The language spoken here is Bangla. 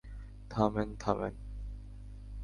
থামেন, থামেন।